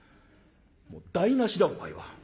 「台なしだお前は。